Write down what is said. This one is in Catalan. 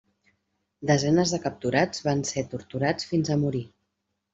Desenes de capturats van ser torturats fins a morir.